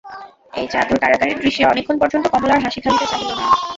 এই চাদর-কাড়াকাড়ির দৃশ্যে অনেকক্ষণ পর্যন্ত কমলার হাসি থামিতে চাহিল না।